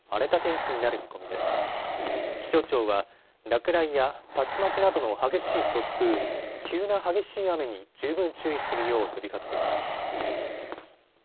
気象庁は落雷や竜巻などの激しい突風、急な激しい雨に十分注意するよう呼びかけています。